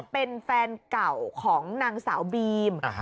เป็นแฟนเก่าของนางสาวบีม